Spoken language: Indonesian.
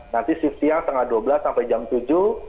nanti shift siang setengah dua belas sampai jam tujuh